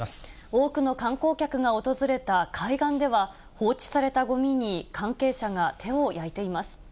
多くの観光客が訪れた海岸では、放置されたごみに関係者が手を焼いています。